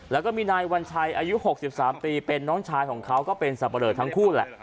แล้วก็มีนายวัญชัยอายุ๖๓ปีเป็นน้องชายของเขาก็เป็นสับปะเลอทั้งคู่แหละ